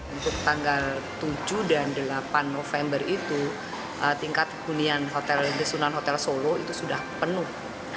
untuk tanggal tujuh dan delapan november itu tingkat hunian desunan hotel solo itu sudah penuh